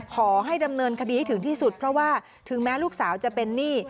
ขอให้ดำเนินคดีให้ถึงที่สุดเพราะว่าถึงแม้ลูกสาวจะเป็นหนี้